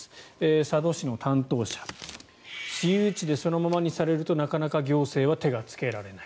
佐渡市の担当者私有地でそのままにされるとなかなか行政は手がつけられない。